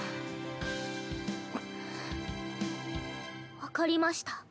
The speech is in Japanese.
分かりました。